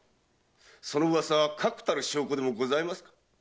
その噂確たる証拠でもございますか？